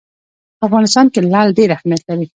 په افغانستان کې لعل ډېر اهمیت لري.